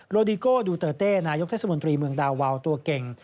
ดิโก้ดูเตอร์เต้นายกเทศมนตรีเมืองดาวาวตัวเก่ง